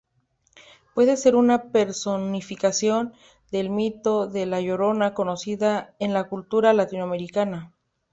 Puede ser una personificación del mito de "La Llorona" conocida en la cultura latinoamericana.